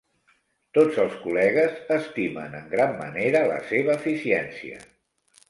Tots els col·legues estimen en gran manera la seva eficiència.